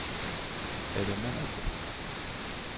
Elle est malade.